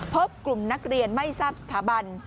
พบกลุ่มนักเรียนไม่ทราบสถาบัน